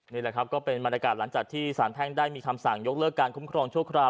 นี่แหละครับก็เป็นบรรยากาศหลังจากที่สารแพ่งได้มีคำสั่งยกเลิกการคุ้มครองชั่วคราว